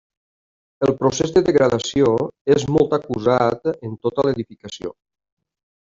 El procés de degradació és molt acusat en tota l'edificació.